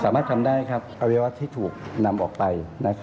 สามารถทำได้อวัยวะที่ถูกนำออกไป